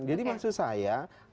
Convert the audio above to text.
jadi maksud saya